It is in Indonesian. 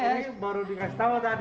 ini baru dikasih tau tadi masih nempel